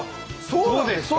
そうなんですか！